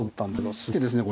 そうですね。